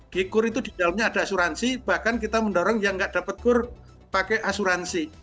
ger itu di dalamnya ada asuransi bahkan kita mendorong yang nggak dapat kur pakai asuransi